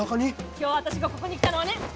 今日私がここに来たのはね！